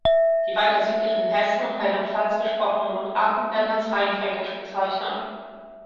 Die weiter südlich in Hessen und Rheinland-Pfalz gesprochenen Mundarten werden als Rheinfränkisch bezeichnet.